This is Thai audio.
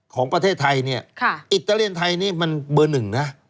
ของประเทศไทยเนี่ยอิตาเลียนไทยนี่มันเบอร์หนึ่งนะ